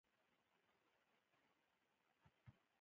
"الحاد او سنتي" عربي ژبي لغتونه دي.